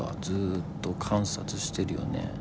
ずーっと観察してるよね。